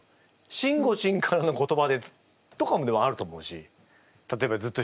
しんごちんからの言葉でとかでもあると思うし例えばずっと一緒にいたりすると。